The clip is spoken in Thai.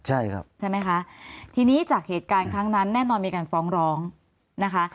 ใช่ครับใช่ไหมคะทีนี้จากเหตุการณ์ครั้งนั้นแน่นอนมีการฟ้องร้องนะคะ